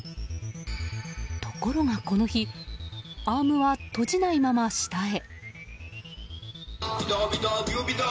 ところが、この日アームは閉じないまま下へ。